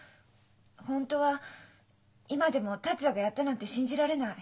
本当は今でも達也がやったなんて信じられない。